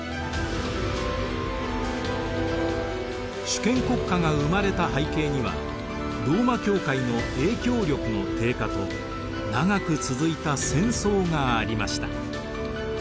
主権国家が生まれた背景にはローマ教会の影響力の低下と長く続いた戦争がありました。